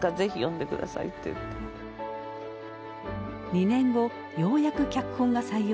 ２年後ようやく脚本が採用されます。